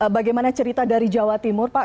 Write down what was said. bagaimana cerita dari jawa timur pak